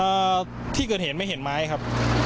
ที่เกิดเหตุไม่เห็นไม้ครับ